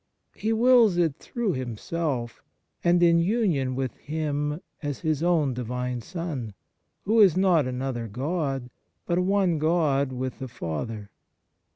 He wills it through Himself, and in union with Him as His own Divine Son, who is not another God, but one God with the Father.